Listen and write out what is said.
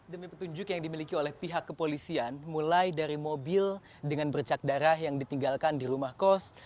demi petunjuk yang dimiliki oleh pihak kepolisian mulai dari mobil dengan bercak darah yang ditinggalkan di rumah kos